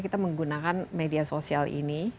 kita menggunakan media sosial ini